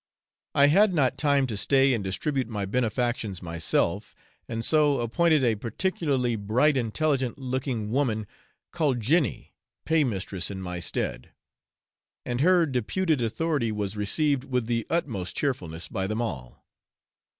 I had not time to stay and distribute my benefactions myself; and so appointed a particularly bright intelligent looking woman, called Jenny, pay mistress in my stead; and her deputed authority was received with the utmost cheerfulness by them all.